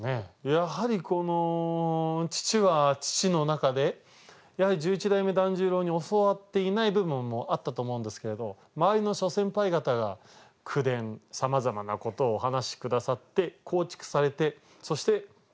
やはり父は父の中で十一代目團十郎に教わっていない部分もあったと思うんですけれど周りの諸先輩方が口伝さまざまなことをお話し下さって構築されてそして